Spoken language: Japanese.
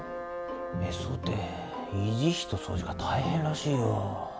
別荘って維持費と掃除が大変らしいよ。